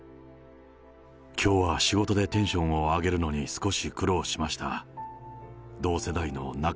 きょうは仕事でテンションを上げるのに少し苦労しました。